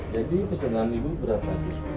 jadi pesanan ibu berapa